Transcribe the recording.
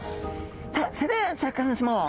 さあそれではシャーク香音さま